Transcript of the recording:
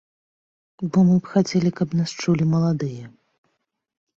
Бо мы б хацелі, каб нас чулі маладыя.